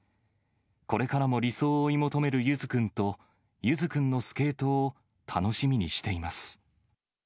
これからも理想を追い求めるゆづ君と、ゆづくんのスケートを楽しみにしています。